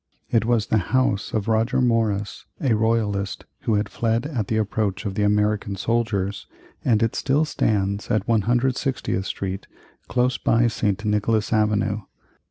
It was the house of Roger Morris, a royalist who had fled at the approach of the American soldiers, and it still stands at 160th Street close by St. Nicholas Avenue.